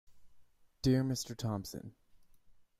Dear Mr Thompson.